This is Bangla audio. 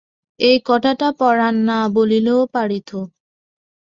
এ কথাটা পরাণ না বলিলেও পারিত।